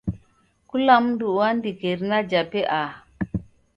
Kula mndu uandike irina jape aha.